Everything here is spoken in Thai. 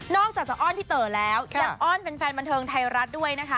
อกจากจะอ้อนพี่เต๋อแล้วยังอ้อนแฟนบันเทิงไทยรัฐด้วยนะคะ